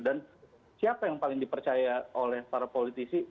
dan siapa yang paling dipercaya oleh para politisi